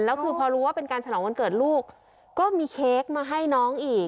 แล้วคือพอรู้ว่าเป็นการฉลองวันเกิดลูกก็มีเค้กมาให้น้องอีก